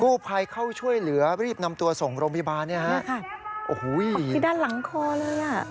ผู้ภัยเข้าช่วยเหลือรีบนำตัวส่งโรงพยาบาลเนี่ยฮะค่ะโอ้โหคือด้านหลังคอเลยอ่ะ